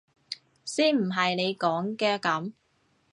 先唔係你講嘅噉！